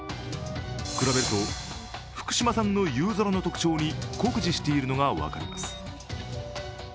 比べると、福島産のゆうぞらの特徴に酷似しているのが分かります。